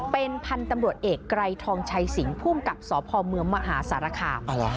เป็นพันธุ์ตำรวจเอกไกรทองชัยสิงห์ภูมิกับสพเมืองมหาสารคาม